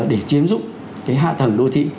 để chiếm giúp cái hạ tầng đô thị